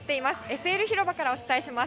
ＳＬ広場からお伝えします。